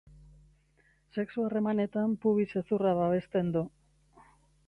Sexu harremanetan pubis-hezurra babesten du.